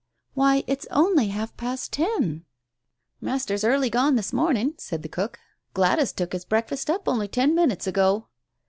"Why, it's only half past ten ?" "Master's early gone this morning," said the cook. "Gladys took his breakfast up only ten minutes ago."